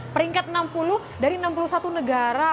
peringkat enam puluh dari enam puluh satu negara